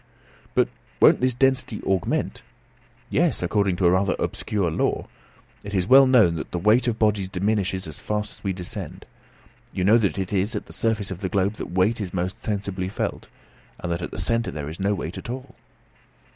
"But won't this density augment?" "Yes; according to a rather obscure law. It is well known that the weight of bodies diminishes as fast as we descend. You know that it is at the surface of the globe that weight is most sensibly felt, and that at the centre there is no weight at all."